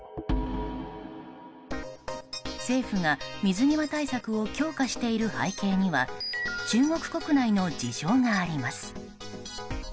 政府が水際対策を強化している背景には中国国内の事情があります。